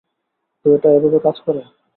তো, এটা এভাবে কাজ করে।